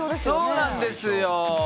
「そうなんですよ！」